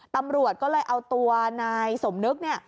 ตำรวจก็เลยเอาตัวนายสมนึกเนี่ย